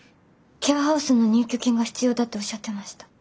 ケアハウスの入居金が必要だとおっしゃってました。